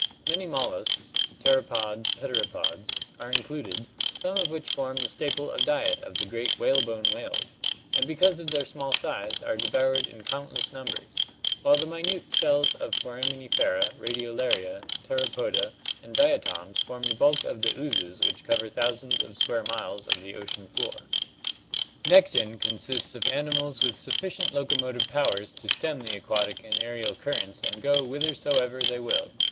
Many mol luscs (pteropods, heteropods) are included, some of which form the staple of diet of the great whalebone whales, and because of their small size are devoured in countless numbers; while the minute shells of Foraminifera, Radiolaria, Pteropoda, and diatoms form the bulk of the oozes which coyer thousands of square miles of the ocean floor. Nekton (Gr. vr) zeros, swimming) consists of animals with sufficient locomotive powers to stem the aquatic and aerial currents and go whithersoever they will.